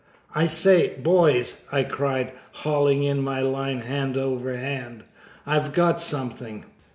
"I say, boys!" I cried, hauling in my line hand over hand, "I've got something!"